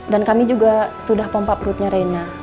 dan kami juga sudah pompa perutnya reina